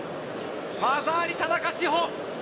技あり、田中志歩。